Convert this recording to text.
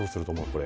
これ。